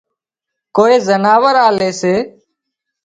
ڪوئي زناور آلي سي